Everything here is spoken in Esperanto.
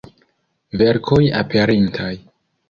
Verkoj aperintaj.